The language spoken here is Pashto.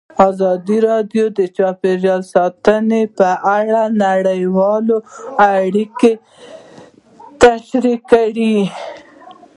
ازادي راډیو د چاپیریال ساتنه په اړه نړیوالې اړیکې تشریح کړي.